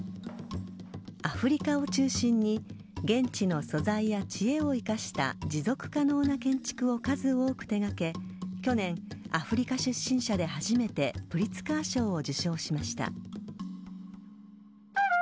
アフリカを中心に現地の素材や知恵を生かした持続可能な建築を数多く手がけ去年、アフリカ出身者で初めてプリツカー賞を受賞しました。